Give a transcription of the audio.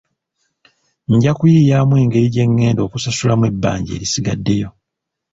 Nja kuyiiya engeri gye ngenda okusasulamu ebbanja erisigaddeyo.